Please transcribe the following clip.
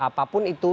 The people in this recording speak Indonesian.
siapa pun itu